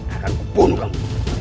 akan kubunuh kamu